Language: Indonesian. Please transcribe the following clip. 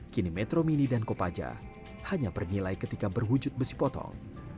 kini metro mini dan kopaja hanya bernilai ketika berwujud besi potong